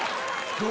どう？